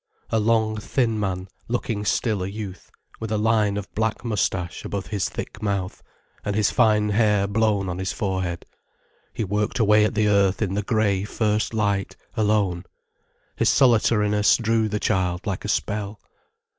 A long, thin man, looking still a youth, with a line of black moustache above his thick mouth, and his fine hair blown on his forehead, he worked away at the earth in the grey first light, alone. His solitariness drew the child like a spell.